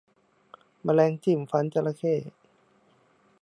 แมลงจิ้มฟันจระเข้